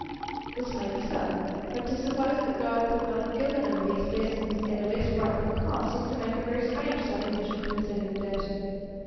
This may be so ; but to suppose that God could not have given him these blessings at a less frightful cost, is to make a very strange suppo sition concerning the Deity.